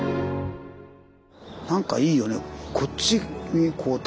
なんかいいよね